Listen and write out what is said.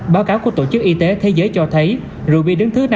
báo cáo của tổ chức y tế thế giới cho thấy rượu bia đứng thứ năm